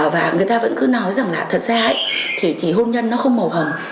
và người ta vẫn cứ nói rằng là thật ra ấy thì hôn nhân nó không màu hồng